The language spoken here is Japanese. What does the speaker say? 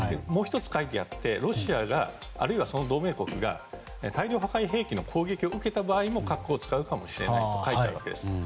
もう１つ書いてあるのはロシアがあるいはその同盟国が大量破壊兵器の攻撃を受けた場合も核を使うかもしれないと書いてあるわけです。